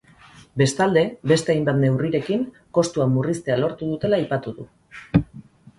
Bestalde, beste hainbat neurrirekin kostuak murriztea lortu dutela aipatu du.